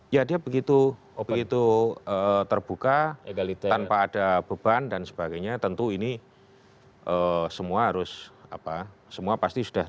ya dia begitu terbuka tanpa ada beban dan sebagainya tentu ini semua harus apa semua pasti sudah